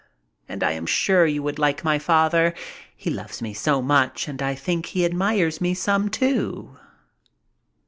And I am sure you would like my father. He loves me so much and I think he admires me some, too."